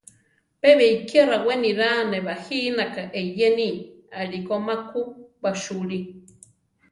Pe beikiá rawé niraa ne bajínaka eyeni; aʼliko ma ku basúli.